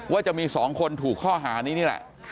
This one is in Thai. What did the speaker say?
ว่าจะมี๒คนถูกข้อหานี้นี่แหละ